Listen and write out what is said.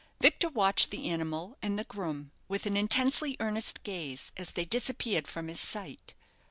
Victor watched the animal and the groom with an intensely earnest gaze as they disappeared from his sight.